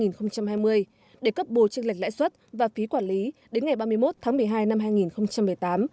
giai đoạn hai nghìn một mươi sáu hai nghìn hai mươi để cấp bùa trinh lệch lãi xuất và phí quản lý đến ngày ba mươi một tháng một mươi hai năm hai nghìn một mươi tám